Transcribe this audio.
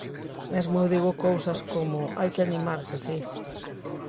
Mesmo eu digo cousas como "Hai que animarse, si".